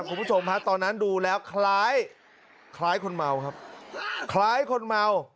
คุณผู้ชมฮะตอนนั้นดูแล้วคล้ายคล้ายคนเมาครับคล้ายคนเมา